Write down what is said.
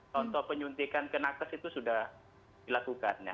contoh penyuntikan ke nakes itu sudah dilakukannya